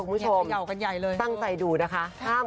น่าจะ๖ครับ